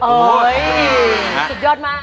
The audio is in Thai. สีดีจอดมาก